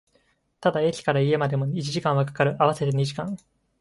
ただ、駅から家までも一時間は掛かる、合わせて二時間